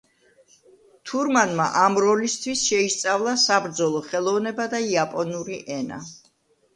თურმანმა ამ როლისთვის შეისწავლა საბრძოლო ხელოვნება და იაპონური ენა.